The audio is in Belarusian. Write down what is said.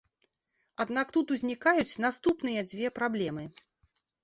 Аднак тут узнікаюць наступныя дзве праблемы.